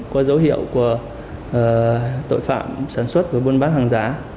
qua dấu hiệu của tội phạm sản xuất và buôn bán hàng giả